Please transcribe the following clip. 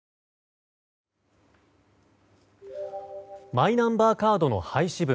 マイナンバーカードの廃止分